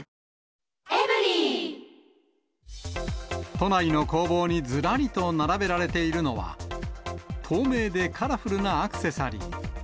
都内の工房にずらりと並べられているのは、透明でカラフルなアクセサリー。